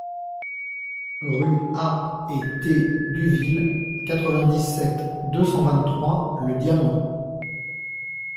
Rue A et T Duville, quatre-vingt-dix-sept, deux cent vingt-trois Le Diamant